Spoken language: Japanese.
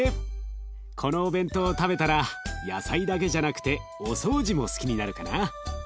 このお弁当を食べたら野菜だけじゃなくてお掃除も好きになるかな？